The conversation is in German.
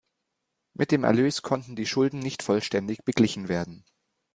Mit dem Erlös konnten die Schulden nicht vollständig beglichen werden.